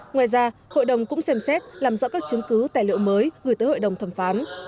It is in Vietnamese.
ngoài ra hội đồng cũng xem xét làm rõ các chứng cứ tài liệu mới gửi tới hội đồng thẩm phán